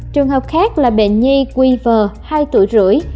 trường hợp khác là bệnh nhi quy vờ hai tuổi rưỡi